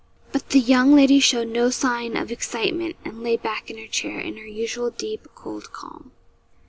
But the young lady showed no sign of excitement, and lay back in her chair in her usual deep, cold calm.